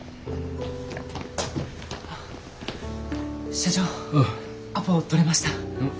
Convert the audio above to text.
社長アポ取れました。